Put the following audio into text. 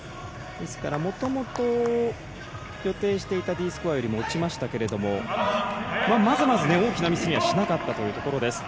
ですから、もともと予定していたＤスコアよりも落ちましたけれどもまずまず、大きなミスにはしなかったというところです。